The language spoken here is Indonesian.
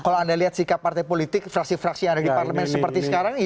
kalau anda lihat sikap partai politik fraksi fraksi yang ada di parlemen seperti sekarang